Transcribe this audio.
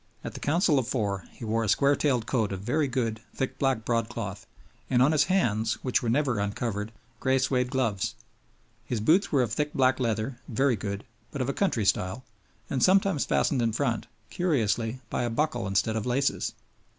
At the Council of Four he wore a square tailed coat of very good, thick black broadcloth, and on his hands, which were never uncovered, gray suede gloves; his boots were of thick black leather, very good, but of a country style, and sometimes fastened in front, curiously, by a buckle instead of laces.